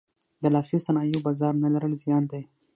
د لاسي صنایعو بازار نه لرل زیان دی.